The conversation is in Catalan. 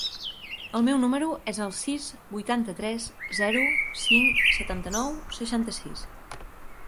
El meu número es el sis, vuitanta-tres, zero, cinc, setanta-nou, seixanta-sis.